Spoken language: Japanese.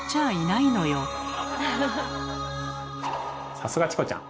さすがチコちゃん！